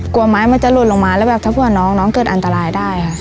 กลัวไม้มันจะหล่นลงมาแล้วแบบถ้าเผื่อน้องน้องเกิดอันตรายได้ค่ะ